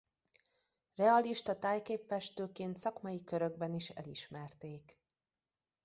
Realista tájképfestőként szakmai körökben is elismerték.